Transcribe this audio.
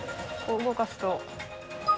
動かすと。